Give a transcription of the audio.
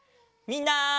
みんな。